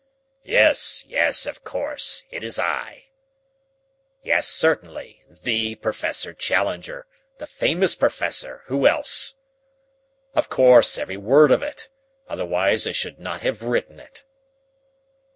"Yes, yes, of course, it is I.... Yes, certainly, the Professor Challenger, the famous Professor, who else?... Of course, every word of it, otherwise I should not have written it....